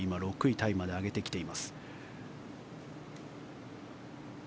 タイまで上げてきています。